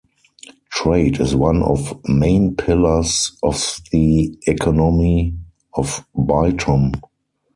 Trade is one of main pillars of the economy of Bytom.